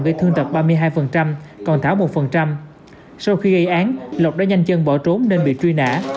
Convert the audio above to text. gây thương tật ba mươi hai còn thảo một sau khi gây án lộc đã nhanh chân bỏ trốn nên bị truy nã